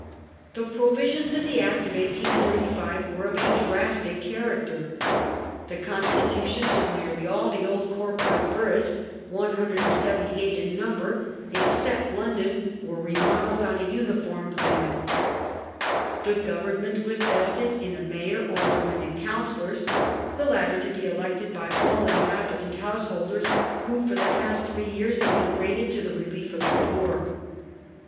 ^ The provisions of the Act of 1835 were of a drastic character. The constitutions of nearly all the old corporate boroughs (178 in number), except London, were remodelled on a uniform plan. The government was vested in a Mayor, Aldermen, and Councillors, the latter to be elected by all inhabitant householdei"s who for the past three years had been rated to the relief of the poor.